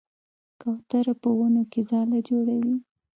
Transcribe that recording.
کوتره په ونو کې ځاله جوړوي.